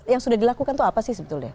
yang sudah dilakukan itu apa sih sebetulnya